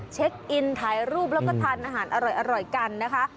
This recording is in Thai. เช็คอินถ่ายรูปแล้วก็ทานอาหารอร่อยกันนะคะ